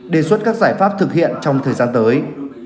đề xuất các giải pháp thực hiện trong thời gian tới